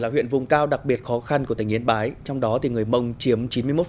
hoặc là huyện vùng cao đặc biệt khó khăn của tỉnh yến bái trong đó thì người mông chiếm chín mươi một